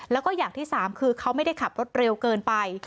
แล้วก็อย่างที่สามคือเขาไม่ได้ขับรถเร็วเกินไป